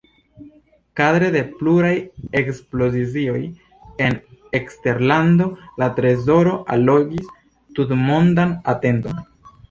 Kadre de pluraj ekspozicioj en eksterlando la trezoro allogis tutmondan atenton.